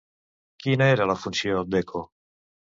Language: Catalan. Quina era la funció d'Eco?